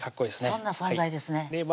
そんな存在ですね